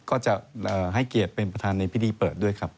ก็จะให้เกียรติเป็นประธานในพิธีเปิดด้วยครับ